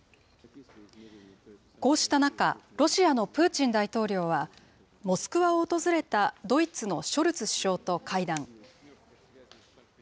こうした中、ロシアのプーチン大統領は、モスクワを訪れたドイツのショルツ首相と会談。